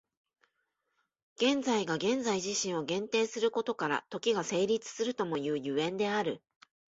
現在が現在自身を限定することから、時が成立するともいう所以である。